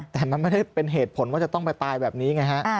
แต่มันไม่ได้เป็นเหตุผลว่าจะต้องไปตายแบบนี้ไงฮะ